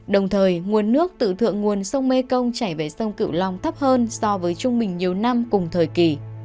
đồng thời nguồn nước từ thượng nguồn sông mê công chảy về sông cửu long thấp hơn so với chung mình nhiều năm cùng thời kỳ